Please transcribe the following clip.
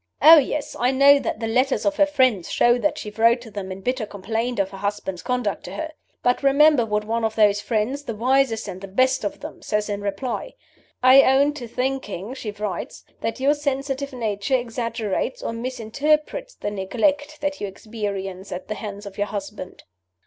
"Oh yes! I know that the letters of her friends show that she wrote to them in bitter complaint of her husband's conduct to her. But remember what one of those friends (the wisest and the best of them) says in reply. 'I own to thinking,' she writes, 'that your sensitive nature exaggerates or misinterprets the neglect that you experience at the hands of your husband.